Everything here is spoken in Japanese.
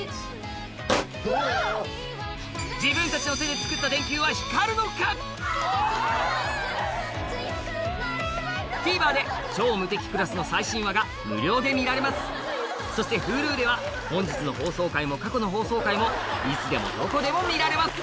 自分たちの手でＴＶｅｒで『超無敵クラス』の最新話が無料で見られますそしてＨｕｌｕでは本日の放送回も過去の放送回もいつでもどこでも見られます